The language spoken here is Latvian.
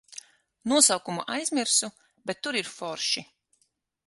Nosaukumu aizmirsu, bet tur ir forši.